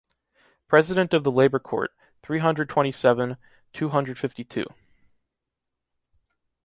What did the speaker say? President of the Labor Court, three hundred twenty seven, two hundred fifty two.